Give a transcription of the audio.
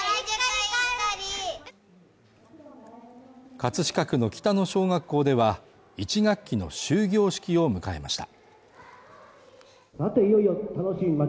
葛飾区の北野小学校では、１学期の終業式を迎えました。